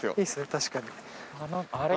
確かに。